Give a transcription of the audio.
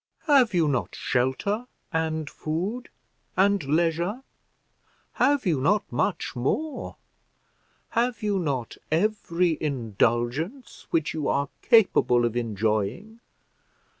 Have you not shelter, and food, and leisure? Have you not much more? Have you not every indulgence which you are capable of enjoying?